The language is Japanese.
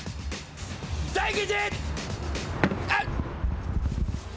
大吉！